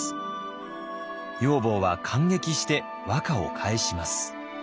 女房は感激して和歌を返します。